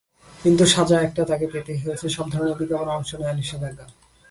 কিন্তু সাজা একটা তাঁকে পেতেই হয়েছে—সব ধরনের বিজ্ঞাপনে অংশ নেওয়ায় নিষেধাজ্ঞা।